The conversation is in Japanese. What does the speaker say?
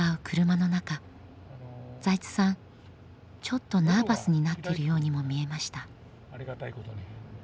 ちょっとナーバスになっているようにも見えました。